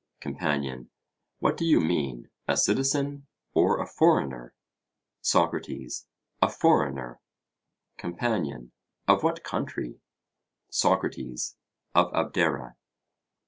COMPANION: What do you mean a citizen or a foreigner? SOCRATES: A foreigner. COMPANION: Of what country? SOCRATES: Of Abdera.